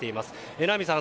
榎並さん